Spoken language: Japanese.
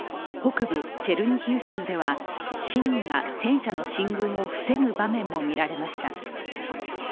北部チェルニヒウ州では、市民が戦車の進軍を防ぐ場面も見られました。